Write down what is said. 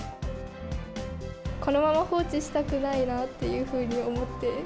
このまま放置したくないなっていうふうに思って。